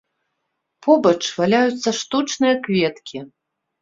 Побач валяюцца штучныя кветкі.